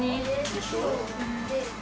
でしょ。